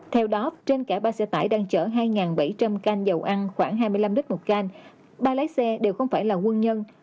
theo đó trên cả ba xe tải đang chở hai bảy trăm linh can dầu ăn khoảng hai mươi năm lít một canh ba lái xe đều không phải là quân nhân